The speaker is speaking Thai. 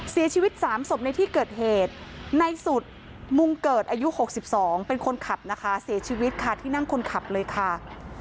เสียชีวิต๓ศพในที่เกิดเหตุในสุดมุงเกิดอายุ๖๒เป็นคนขับนะคะเสียชีวิตค่ะที่นั่งคนขับเลยค่ะ